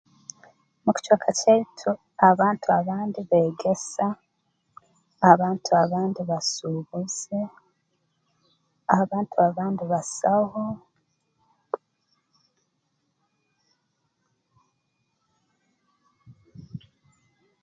Mu kicweka kyaitu abantu abandi beegesa abantu abandi basuubuzi abantu abandi basaho